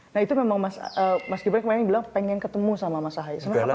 nah itu memang mas gibran kemarin bilang pengen ketemu sama masahaye sebenarnya apa sih